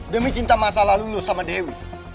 demi cinta masa lalu lo sama dewi